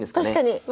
確かに。